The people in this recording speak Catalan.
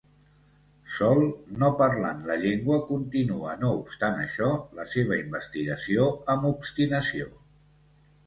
Sol, no parlant la llengua, continua no obstant això la seva investigació amb obstinació.